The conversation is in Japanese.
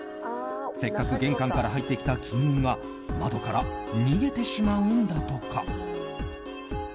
せっかく玄関から入ってきた金運が窓から逃げてしまうんだとか。